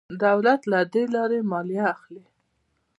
دولت له دې لارې مالیه اخلي.